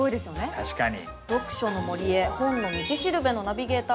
確かに。